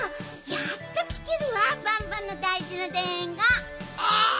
やっときけるわバンバンのだいじなでんごん。